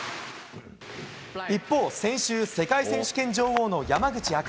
一方、先週、世界選手権女王の山口茜。